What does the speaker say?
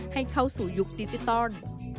ให้เข้าสู่ยุคดิจิตอล